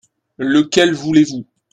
Lequel voulez-vous ?